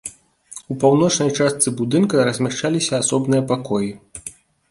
У паўночнай частцы будынка размяшчаліся асобныя пакоі.